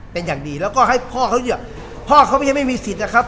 เป็นอย่างดีและให้พ่อเบิดก็มีสิทธิ์นะครับ